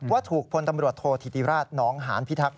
ว่าถูกพลตำรวจโทษธิติราชน้องหานพิทักษ